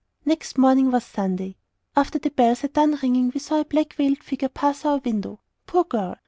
Next morning was Sunday. After the bells had done ringing we saw a black veiled figure pass our window. Poor girl!